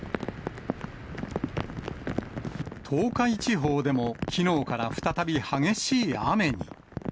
東海地方でも、きのうから再び激しい雨に。